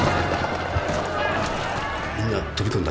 みんな飛び込んだ。